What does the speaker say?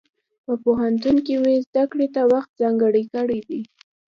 په پوهنتون کې مې زده کړې ته وخت ځانګړی کړی دی.